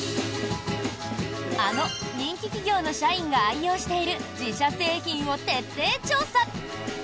あの人気企業の社員が愛用している自社製品を徹底調査。